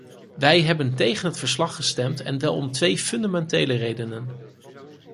Wij hebben tegen het verslag gestemd, en wel om twee fundamentele redenen.